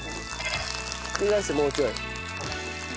ひっくり返してもうちょい。